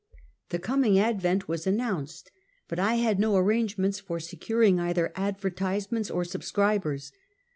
The coming advent was announced, but I had no arrangements for securing either advertisements or subscribers.